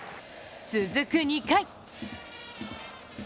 続く２回。